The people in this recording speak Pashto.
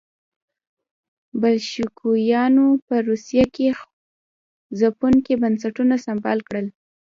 بلشویکانو په روسیه کې ځپونکي بنسټونه سمبال کړل.